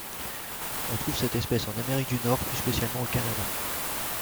On trouve cette espèce en Amérique du Nord plus spécialement au Canada.